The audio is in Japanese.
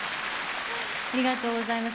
ありがとうございます。